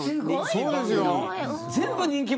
そうですよ。